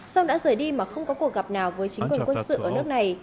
song đã rời đi mà không có cuộc gặp nào với chính quyền quân sự ở nước này